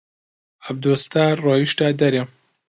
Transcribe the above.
عەبدولستار ڕۆیشتە دەرێ.